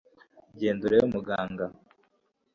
genda urebe muganga